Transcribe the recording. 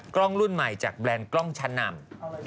รุ่นใหม่จากแบรนด์กล้องชั้นนำ